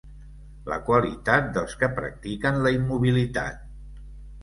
La qualitat dels que practiquen la immobilitat.